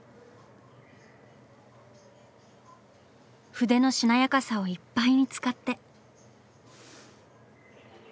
筆のしなやかさをいっぱいに使って。